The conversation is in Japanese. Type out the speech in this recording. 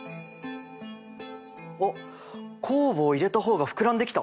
おっ酵母を入れた方が膨らんできた！